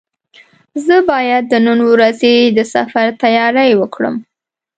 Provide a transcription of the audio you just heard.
زه باید د نن ورځې د سفر تیاري وکړم.